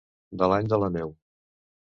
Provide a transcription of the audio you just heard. De l'any de la neu.